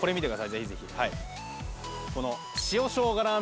ぜひぜひ。